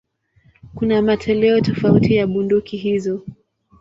Kuna matoleo tofauti ya bunduki hizo.